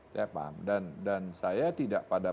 saya paham dan saya tidak pada